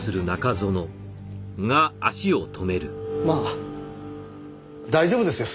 まあ大丈夫ですよ